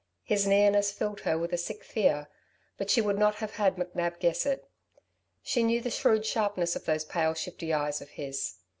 His nearness filled her with a sick fear, but she would not have had McNab guess it. She knew the shrewd sharpness of those pale, shifty eyes of his.